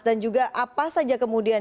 dan juga apa saja kemudian